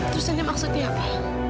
terus ini maksudnya apa